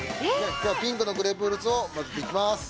今日はピンクのグレープフルーツを交ぜていきます。